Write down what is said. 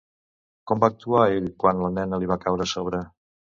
Com va actuar ell quan la nena li va caure a sobre?